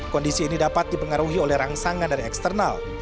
kondisi ini dapat dipengaruhi oleh rangsangan dari eksternal